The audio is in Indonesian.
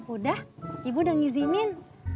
udah ibu udah ngizinin